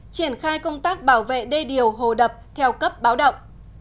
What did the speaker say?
triển khai công tác bảo vệ đê điều hồ đập theo cấp báo động